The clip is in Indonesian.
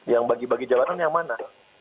yang bagi bagi jalanan yang mana